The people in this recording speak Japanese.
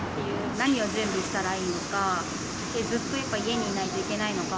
何を準備したらいいのか、ずっとやっぱり家にいないといけないのか。